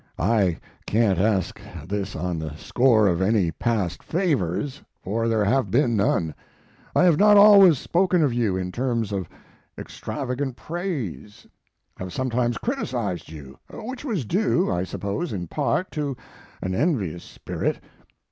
I can't ask this on the score of any past favors, for there have been none. I have not always spoken of you in terms of extravagant praise; have sometimes criticized you, which was due, I suppose, in part to an envious spirit.